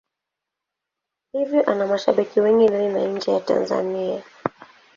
Hivyo ana mashabiki wengi ndani na nje ya Tanzania.